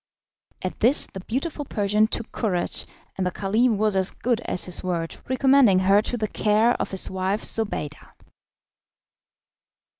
At this the beautiful Persian took courage, and the Caliph was as good as his word, recommending her to the care of his wife Zobeida.